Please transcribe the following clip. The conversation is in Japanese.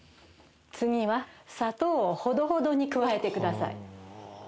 次は砂糖をほどほどに加えてください。